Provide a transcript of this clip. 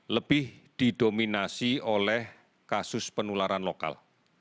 lebih didominasi oleh kasus penularan lokal